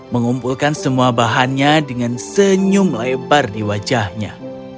mengumpulkan semua bahannya dengan senyum lebar di wajahnya